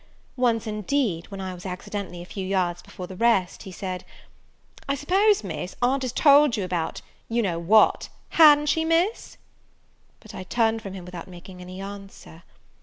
Once, indeed, when I was accidentally a few yards before the rest, he said, "I suppose, Miss, aunt has told you about you know what? ha'n't she, Miss?" But I turned from him without making any answer.